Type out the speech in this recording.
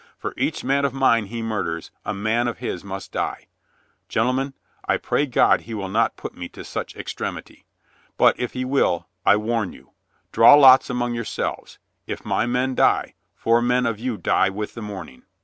For each man of mine he murders, a man of his must die. Gentlemen, I pray God he may not put me to such extremity. But if he will — I warn you. Draw lots among yourselves. If my men die, four men of you die with the morning."